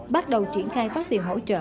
bắt đầu triển khai phát tiền hỗ trợ